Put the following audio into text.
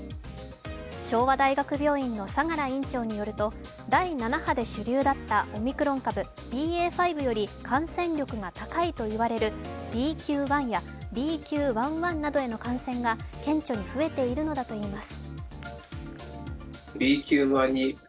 昭和大学病院の相良院長によると、第７波で主流だったオミクロン株ＢＡ．５より感染力が高いといわれるＢＱ．１やＢＱ．１．１などへの感染が顕著に増えているのだといいます。